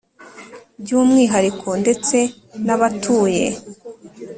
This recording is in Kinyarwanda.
by umwihariko ndetse n abatuye